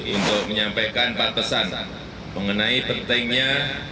untuk menyampaikan empat pesan mengenai pentingnya